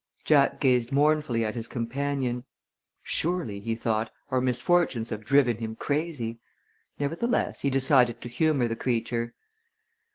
Jack gazed mournfully at his companion. Surely, he thought, our misfortunes have driven him crazy. Nevertheless he decided to humor the creature.